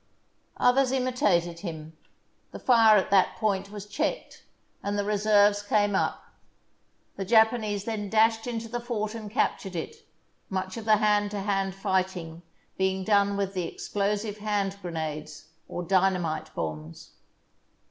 Others imitated him; the fire at that point was checked, and the reserves came up. The Japanese then dashed into the fort and captured it, much of the hand to hand fighting being done with the explosive hand grenades, or dynamite bombs.